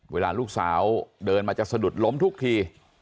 เวลาลูกสาวเดินมาจะสะดุดล้มทุกที